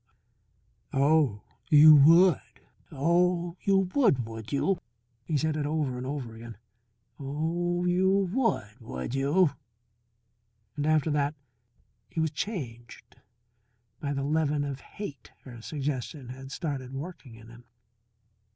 "Oh, you would! Oh, you would, would you?" He said it over and over again. "Oh, you would, would you?" And after that he was changed by the leaven of hate her suggestion had started working in him.